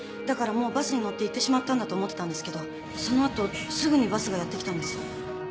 だからもうバスに乗っていってしまったんだと思ってたんですけどその後すぐにバスがやって来たんです。